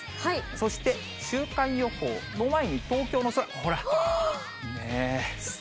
そして週間予報の前に東京の空。